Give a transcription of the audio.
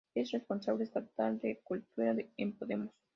Es responsable estatal de Cultura en Podemos.